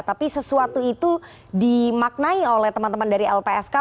tapi sesuatu itu dimaknai oleh teman teman dari lpsk